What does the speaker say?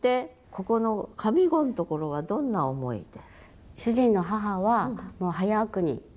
ここの上五のところはどんな思いで？